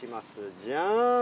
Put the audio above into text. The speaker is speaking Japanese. じゃん。